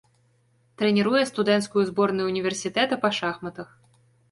Трэніруе студэнцкую зборную ўніверсітэта па шахматах.